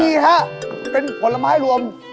มีครับเป็นผลไม้รวม